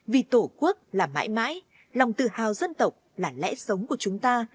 vì tổ quốc là mãi mãi lòng tự hào dân tộc là lẽ sống của chúng ta